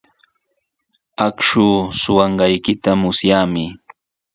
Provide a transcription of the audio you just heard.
Akshuu suqanqaykita musyaami.